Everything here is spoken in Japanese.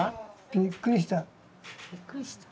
びっくりした。